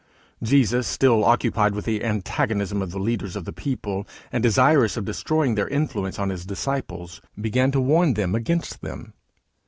Jesus, still occupied with the antagonism of the leaders of the people, and desirous of destroying their influence on his disciples, began to warn them against them.